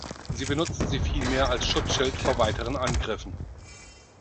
Sie benutzen sie vielmehr als Schutzschild vor weiteren Angriffen.